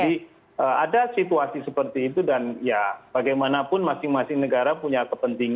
jadi ada situasi seperti itu dan ya bagaimanapun masing masing negara punya kepentingan